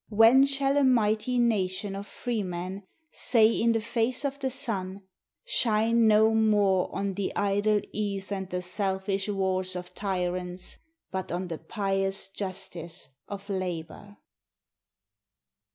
"When shall a mighty nation of freemen say in the face of the sun, 'Shine no more on the idle ease and the selfish wars of tyrants, but on the pious justice of labor?'"